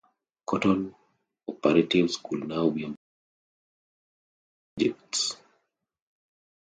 Cotton operatives could now be employed on useful projects.